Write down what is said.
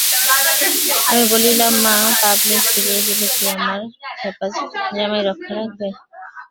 আমি বলিলাম, মা, পালকি ফিরিয়ে দিলে কি আমার খেপা জামাই রক্ষা রাখবে?